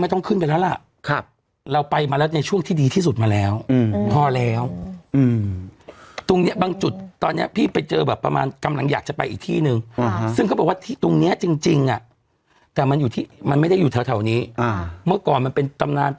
มิ้นเอาอย่างงี้ด้วยว่ะอืมตอนพี่ไปครั้งแรกพี่เชาอ่ะอืม